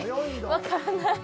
分からない。